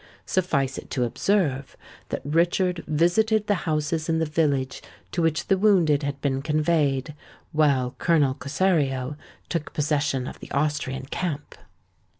Suffice it to observe, that Richard visited the houses in the village to which the wounded had been conveyed; while Colonel Cossario took possession of the Austrian camp.